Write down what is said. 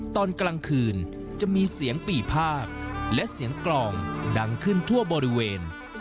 ตอนกลางคืนจะมีเสียงปี่ภาคและเสียงกลองดังขึ้นทั่วบริเวณ